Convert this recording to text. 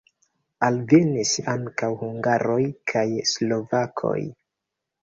Alvenis ankaŭ hungaroj kaj slovakoj.